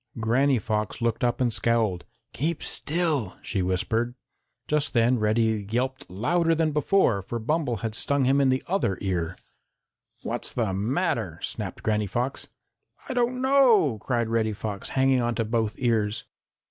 Granny Fox looked up and scowled. "Keep still," she whispered. Just then Reddy yelped louder than before, for Bumble had stung him in the other ear. "What's the matter?" snapped Granny Fox. "I don't know," cried Reddy Fox, hanging on to both ears.